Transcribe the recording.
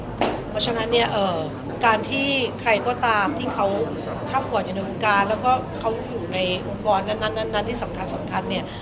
เพราะฉะนั้นเนี่ยการที่ใครก็ตามที่เขาครอบครัวอยู่ในวงการแล้วก็เขาอยู่ในองค์กรนั้นที่สำคัญเนี่ย